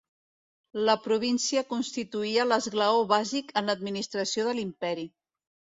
La província constituïa l'esglaó bàsic en l'administració de l'Imperi.